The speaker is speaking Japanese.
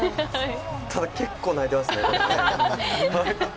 ただ、結構泣いてますね。